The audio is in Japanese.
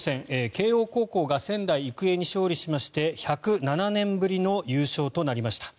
慶応高校が仙台育英に勝利しまして１０７年ぶりの優勝となりました。